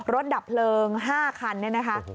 ดับเพลิง๕คันเนี่ยนะคะ